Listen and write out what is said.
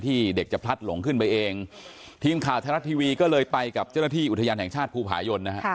เด็กจะพลัดหลงขึ้นไปเองทีมข่าวไทยรัฐทีวีก็เลยไปกับเจ้าหน้าที่อุทยานแห่งชาติภูผายนนะฮะ